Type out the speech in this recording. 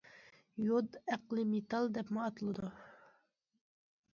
يود« ئەقلىي مېتال» دەپمۇ ئاتىلىدۇ.